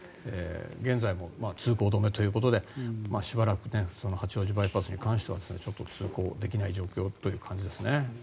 現在も通行止めということでしばらく八王子バイパスに関しては通行できない状況という感じですね。